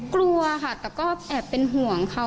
กลัวค่ะแต่ก็แอบเป็นห่วงเขา